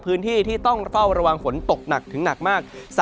พื้นที่ที่ต้องเฝ้าระวังฝนตกหนักถึงหนักมาก